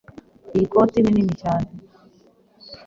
Iyi koti nini nini cyane.